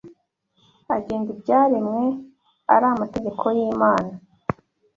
agenga ibyaremwe ari amategeko y’Imana